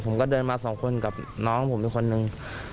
ผมก็เดินมา๒คนกับน้องผม๑คนหนึ่ง